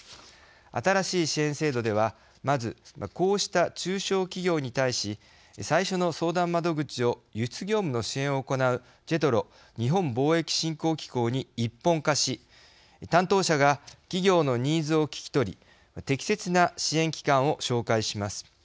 新しい支援制度ではまず、こうした中小企業に対し最初の相談窓口を輸出業務の支援を行うＪＥＴＲＯ＝日本貿易振興機構に一本化し担当者が企業のニーズを聞き取り適切な支援機関を紹介します。